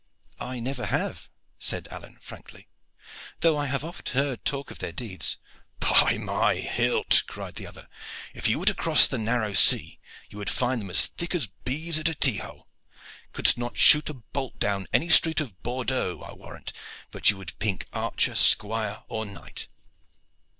"I never have," said Alleyne frankly, "though I have oft heard talk of their deeds." "By my hilt!" cried the other, "if you were to cross the narrow sea you would find them as thick as bees at a tee hole. Couldst not shoot a bolt down any street of Bordeaux, I warrant, but you would pink archer, squire, or knight.